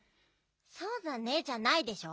「そうだね」じゃないでしょ。